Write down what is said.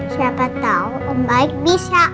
siapa tahu om baik bisa